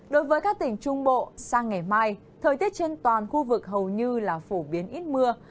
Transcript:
đối với các tỉnh trung bộ sang ngày mai thời tiết trên toàn khu vực hầu như là phổ biến ít mưa